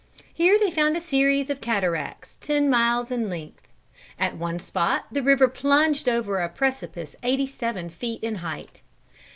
Here they found a series of cataracts ten miles in length. At one spot the river plunged over a precipice eighty seven feet in height.